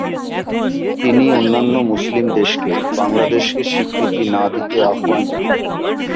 তিনি অন্যান্য মুসলিম দেশকে বাংলাদেশকে স্বীকৃতি না দিতে আহবান জানান।